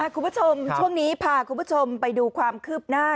คุณผู้ชมช่วงนี้พาคุณผู้ชมไปดูความคืบหน้า